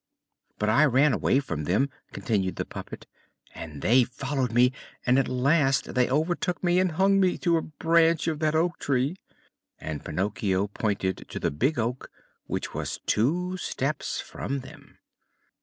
"But I ran away from them," continued the puppet, "and they followed me, and at last they overtook me and hung me to a branch of that oak tree." And Pinocchio pointed to the Big Oak, which was two steps from them.